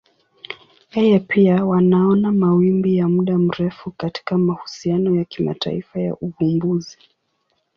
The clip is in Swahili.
Yeye pia wanaona mawimbi ya muda mrefu katika mahusiano ya kimataifa ya uvumbuzi.